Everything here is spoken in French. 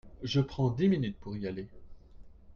Je prends dix minutes pour y aller.